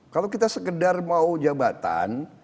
kalau kita sekedar mau jabatan